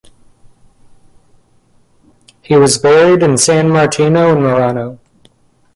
He was buried in San Martino in Murano.